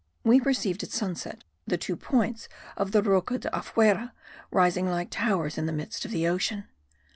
We perceived at sunset the two points of the Roca de afuera, rising like towers in the midst of the ocean.